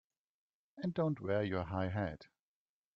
And don't wear your high hat!